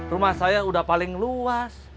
rumah saya sudah paling luas